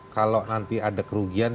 kalau nanti ada kerugian